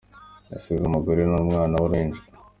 Yasize umugore n’ umwana w’ uruhinja.